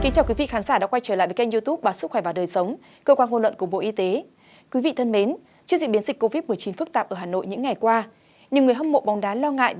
cảm ơn các bạn đã theo dõi